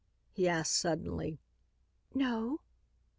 he asked suddenly. "No."